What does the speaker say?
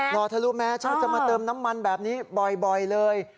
รอทะลุแม้เช้าจะมาเติมน้ำมันแบบนี้บ่อยเลย